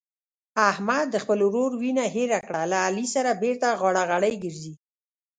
احمد د خپل ورور وینه هېره کړه له علي سره بېرته غاړه غړۍ ګرځي.